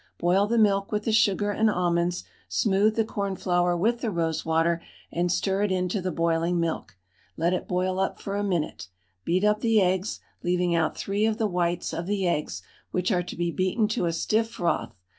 Boil the milk with the sugar and almonds; smooth the cornflour with the rosewater and stir it into the boiling milk, let it boil up for a minute. Beat up the eggs, leaving out 3 of the whites of the eggs, which are to be beaten to a stiff froth.